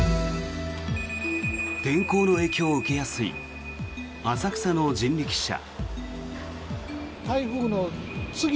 天候の影響を受けやすい浅草の人力車。